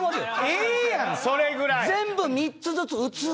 ええやんそれぐらい！